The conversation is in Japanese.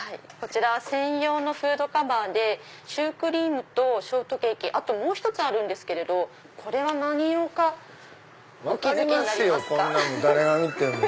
こちらは専用のフードカバーでシュークリームとショートケーキあともう１つあるんですけどこれは何用かお気付きですか？